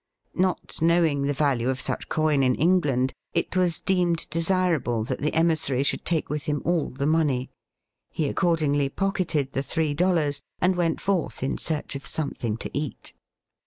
Not knowing the value of such coin in Eng land, it was deemed desirable that the emis sary should take with him all the money. He accordingly pocketed the three dollars, and went forth in search of something to eat.